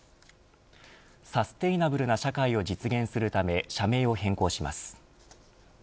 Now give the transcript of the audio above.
サステイナブルな社会を実現するため社名を変更します。